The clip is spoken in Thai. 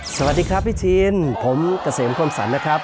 สวัสดีครับพี่ชินผมเกษมคมสรรนะครับ